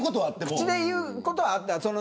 口で言うことはあった。